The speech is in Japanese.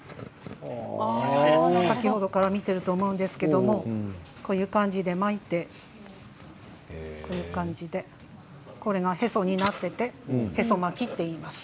先ほどから見ていると思うんですけれどもこういう感じで巻いてこれがへそになっていてへそ巻きといいます。